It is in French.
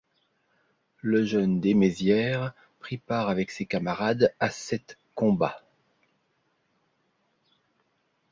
Le jeune Desmaisières prit part avec ses camarades à cet combat.